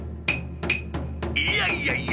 いやいやいや！